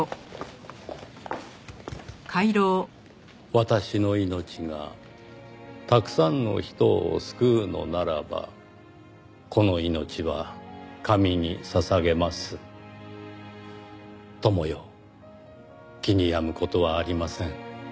「私の命がたくさんの人を救うのならばこの命は神に捧げます」「友よ気に病む事はありません」